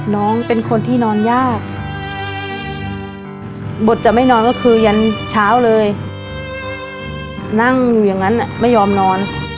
น้องเป็นคนที่นอนยากบทจะไม่นอนก็คือยันเช้าเลยนั่งอยู่อย่างนั้นไม่ยอมนอน